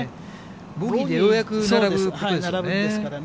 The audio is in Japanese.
ボギーでようやく並ぶということですよね。